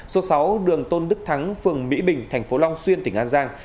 số sáu đường tôn đức thắng phường mỹ bình thành phố long xuyên tỉnh an giang